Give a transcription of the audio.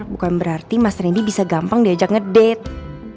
bukan berarti mas randy bisa gampang diajak ngedete